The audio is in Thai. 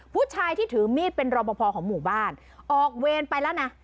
ผู้ชายที่ถือมีดเป็นรอปภของหมู่บ้านออกเวรไปแล้วนะ